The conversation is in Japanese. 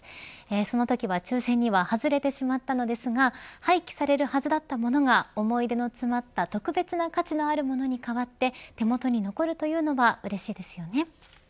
そのときは抽選には外れてしまったのですが廃棄されるはずだったものが思い出の詰まった特別な価値のあるものに変わって手元に残るというのはうれしいですよね。